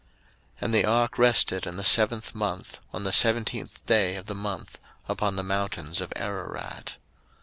01:008:004 And the ark rested in the seventh month, on the seventeenth day of the month, upon the mountains of Ararat.